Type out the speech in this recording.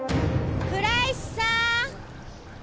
倉石さん！